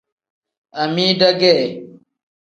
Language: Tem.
Amida ge.